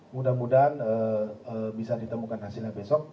mudah mudahan bisa ditemukan hasilnya besok